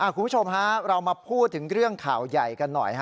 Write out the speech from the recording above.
คุณผู้ชมฮะเรามาพูดถึงเรื่องข่าวใหญ่กันหน่อย